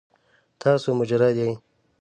تاسو مجرد یې؟